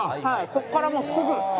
ここからもうすぐ。